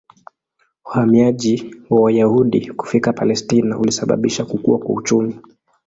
Uhamiaji wa Wayahudi kufika Palestina ulisababisha kukua kwa uchumi.